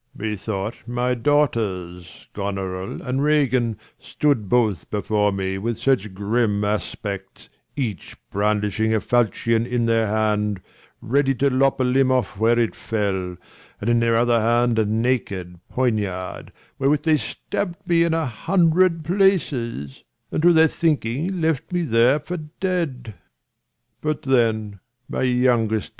50 Leir. Methought my daughters, Gonorill and Ragan, Stood both before me with such grim aspects, Each brandishing a falchion in their hand, Ready to lop a limb off where it fell, And in their other hand a naked poniard, 55 Wherewith they stabb'd me in a hundred places, And to their thinking left me there for dead : Sc.